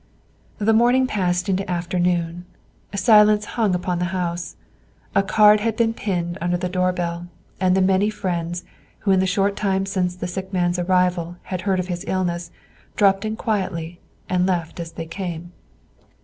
The morning passed into afternoon. Silence hung upon the house. A card had been pinned under the door bell; and the many friends, who in the short time since the sick man's arrival had heard of his illness, dropped in quietly and left as they came.